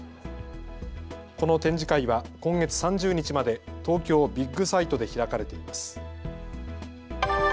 この展示会は今月３０日まで東京ビッグサイトで開かれています。